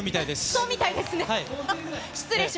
そうみたいですね。